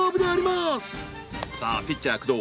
さあピッチャー工藤